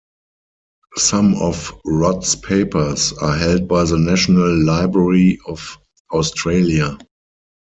Some of Rodd's papers are held by the National Library of Australia.